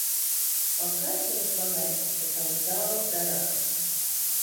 Kaut kas jau ir paveikts, bet vēl ir daudz darāmā.